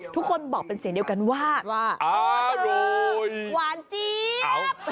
ทุกคนบอกเป็นเสียงเดียวกันว่าว่าลูกหวานเจี๊ยบ